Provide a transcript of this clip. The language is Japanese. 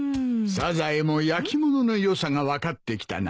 サザエも焼き物の良さが分かってきたな。